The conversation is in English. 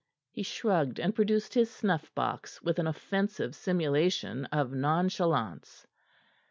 He shrugged and produced his snuff box with an offensive simulation of nonchalance.